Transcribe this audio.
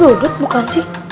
dia bodoh bukan sih